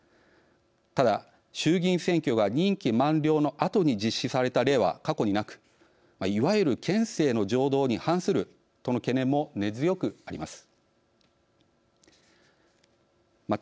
ただ衆議院選挙が任期満了のあとに実施された例は過去になくいわゆる憲政の常道に反するとの懸念も根強くあります。